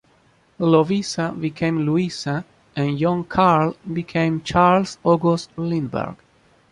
Lovisa became Louisa and young Carl became Charles August Lindbergh.